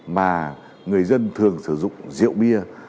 mà người dân thường sử dụng rượu bia